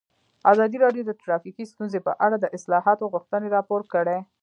ازادي راډیو د ټرافیکي ستونزې په اړه د اصلاحاتو غوښتنې راپور کړې.